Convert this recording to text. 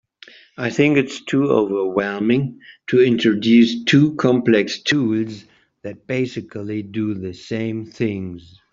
I think it’s too overwhelming to introduce two complex tools that basically do the same things.